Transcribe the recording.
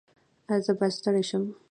ایا زه باید ستړی شم؟